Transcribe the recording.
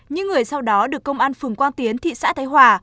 những người sau đó được công an phường quang tiến thị xã thái hòa